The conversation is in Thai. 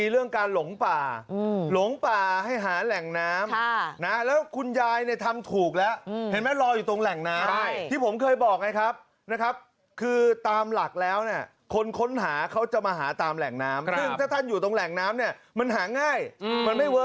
เออตรงนี้ก็น่าจะใช่